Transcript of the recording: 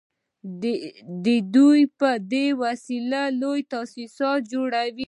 دوی په دې وسیله لوی تاسیسات جوړوي